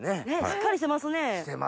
しっかりしてますね！